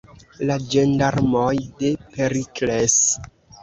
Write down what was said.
La ĝendarmoj de Perikles!